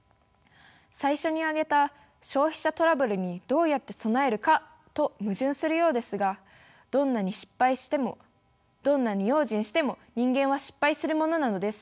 最初に挙げた「消費者トラブルにどうやって備えるか」と矛盾するようですがどんなに用心しても人間は失敗するものなのです。